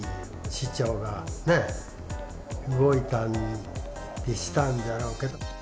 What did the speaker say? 市長がね、動いたりしたんだろうけど。